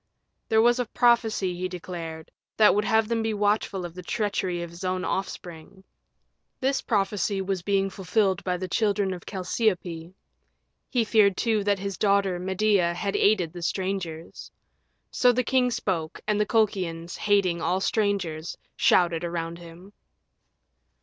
There was a prophecy, he declared, that would have him be watchful of the treachery of his own offspring: this prophecy was being fulfilled by the children of Chalciope; he feared, too, that his daughter, Medea, had aided the strangers. So the king spoke, and the Colchians, hating all strangers, shouted around him.